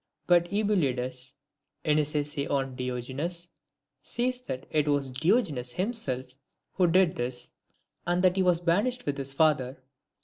But Eubulides, in his essay on Diogenes, says, that it was Diogenes himself who did this, and that he was banished with his father.